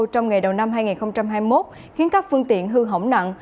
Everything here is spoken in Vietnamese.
trong ngày đầu năm hai nghìn hai mươi một khiến các phương tiện hư hỏng nặng